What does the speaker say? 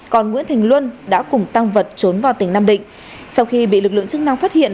còn nguyễn thành luân đã cùng tăng vật trốn vào tỉnh nam định sau khi bị lực lượng chức năng phát hiện